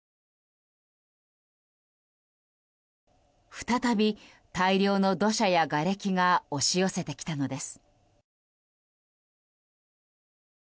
再び大量の土砂やがれきが押し寄せてきたのです。